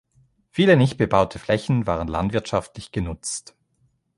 Viele nicht bebaute Flächen waren landwirtschaftlich genutzt.